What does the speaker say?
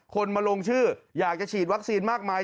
คนมาลงชื่ออยากจะฉีดวัคซีนมากมาย